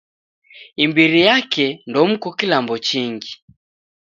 Imbiri yake ndomko kilambo chingi.